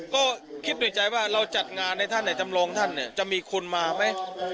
ก็คิดด้วยใจว่าเราจัดงานให้ท่านในจำลองท่านเนี่ยจะมีคนมาไหม